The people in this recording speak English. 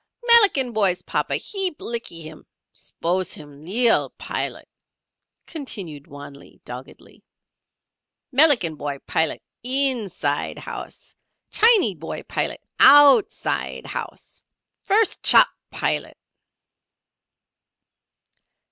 "Melican boy's papa heap lickee him spose him leal Pilat," continued Wan Lee, doggedly. "Melican boy Pilat inside housee; Chinee boy Pilat outside housee. First chop Pilat."